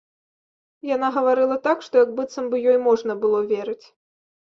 Яна гаварыла так, што як быццам бы ёй можна было верыць.